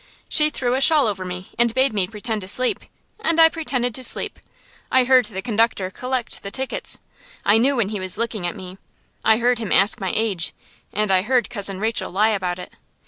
She threw a shawl over me and bade me pretend to sleep, and I pretended to sleep. I heard the conductor collect the tickets. I knew when he was looking at me. I heard him ask my age and I heard Cousin Rachel lie about it.